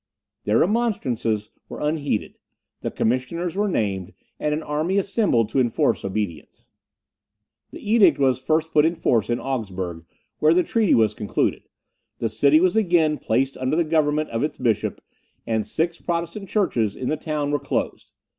Their remonstrances were unheeded; the commissioners were named, and an army assembled to enforce obedience. The edict was first put in force in Augsburg, where the treaty was concluded; the city was again placed under the government of its bishop, and six Protestant churches in the town were closed.